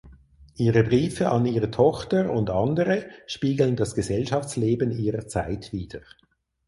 Ihre Briefe an ihre Tochter und andere spiegeln das Gesellschaftsleben ihrer Zeit wider.